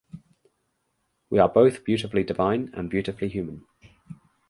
We are both beautifully divine and beautifully human.